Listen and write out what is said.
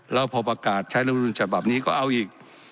แล้วพบการณ์ใช้อนุญาตจบับนี้ก็เอาอีก